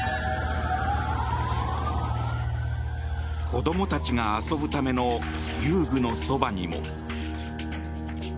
子どもたちが遊ぶための遊具のそばにも。